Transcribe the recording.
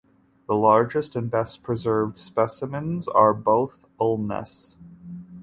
The largest and best-preserved specimens are both ulnas.